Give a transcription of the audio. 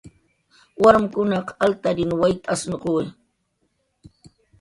Warmkunaq altarin wayt asnuquwi